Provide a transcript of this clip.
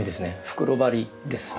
袋張りです。